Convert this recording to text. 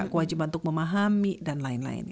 kewajiban untuk memahami dan lain lain